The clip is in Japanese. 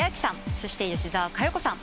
そして吉澤嘉代子さん。